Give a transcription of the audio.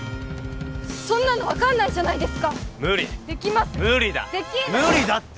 そんなの分かんないじゃないですか無理無理だ無理だって！